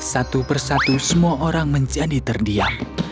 satu persatu semua orang menjadi terdiam